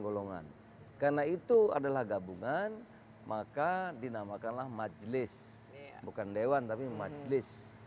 golongan karena itu adalah gabungan maka dinamakanlah majlis bukan lewan tapi majlis